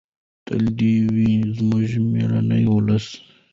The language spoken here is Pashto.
تل دې وي زموږ مېړنی ولس.